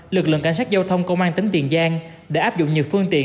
lực lượng cảnh sát giao thông công an tính tiền gian đã áp dụng nhiều phương tiện